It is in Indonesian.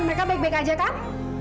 mereka baik baik aja kan